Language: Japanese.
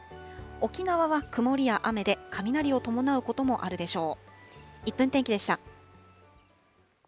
沖縄は曇りや雨で、雷を伴うこともあるでしょう。